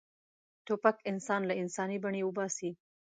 توپک انسان له انساني بڼې وباسي.